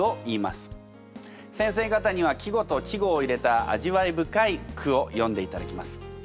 先生方には季語と稚語を入れた味わい深い句を詠んでいただきます。